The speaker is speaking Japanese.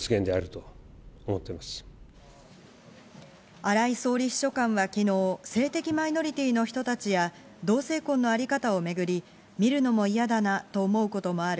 荒井総理秘書官は昨日、性的マイノリティの人たちや同性婚のあり方をめぐり、見るのも嫌だなと思うこともある。